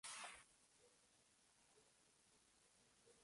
Antiguamente era un pueblo minero que en ese entonces se conocían como reales.